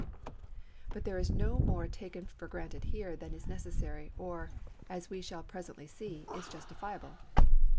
But there is more taken for granted here than is necessary, or, as we shall presently see, is justifiable.